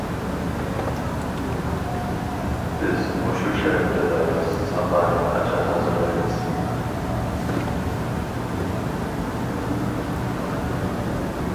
بىز مۇشۇ شەرەپكە لايىق ساپانى قاچان ھازىرلايمىز؟ .